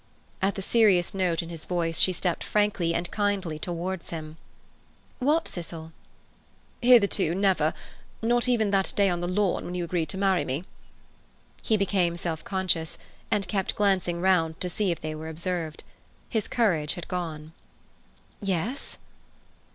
At the serious note in his voice she stepped frankly and kindly towards him. "What, Cecil?" "Hitherto never—not even that day on the lawn when you agreed to marry me—" He became self conscious and kept glancing round to see if they were observed. His courage had gone. "Yes?"